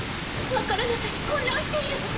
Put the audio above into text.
分からなさに混乱しているわ！